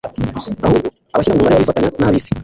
ahubwo abashyira mu mubare w'abifatanya n'ab'isi.